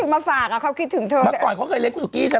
เมื่อก่อนเค้าเคยเลี้ยงกุศุกี่ฉัน